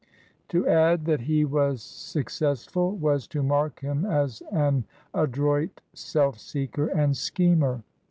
To add that he was successful was to mark him as an adroit self seeker and schemer.